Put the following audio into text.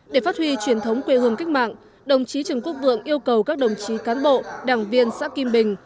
để phát huy truyền thống quê hương cách mạng đồng chí trần quốc vượng yêu cầu các đồng chí cán bộ đảng viên xã kim bình